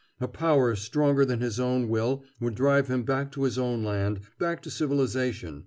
A power stronger than his own will would drive him back to his own land, back to civilization.